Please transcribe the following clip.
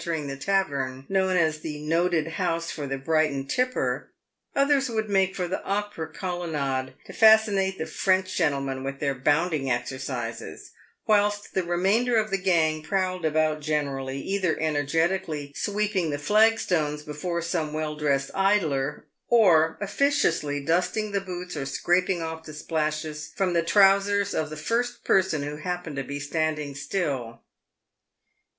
109 tering the tavern known as " the noted house for Brighton Tipper," others would make for the Opera Colonnade to fascinate the French gentlemen with their bounding exercises, whilst the remainder of the gang prowled about generally, either energetically sweeping the flag stones before some well dressed idler, or officiously dusting the boots or scraping off the splashes from the trousers of the first person who happened to be standing still.